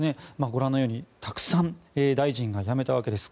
ご覧のようにたくさん大臣が辞めたわけです。